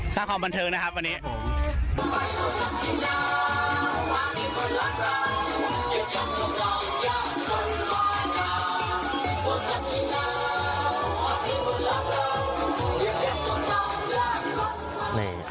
สร้างความบันเทิงนะครับวันนี้